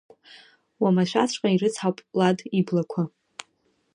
Уамашәаҵәҟьа ирыцҳауп Лад иблақәа.